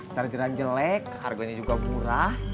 chargeran jelek harganya juga murah